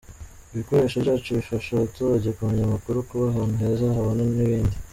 Ibikoresho byacu, bifasha abaturage kumenya amakuru, kuba ahantu heza habona n’ibindi.